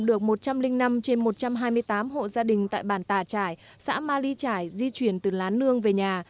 được một trăm linh năm trên một trăm hai mươi tám hộ gia đình tại bản tà trải xã ma ly trải di chuyển từ lá nương về nhà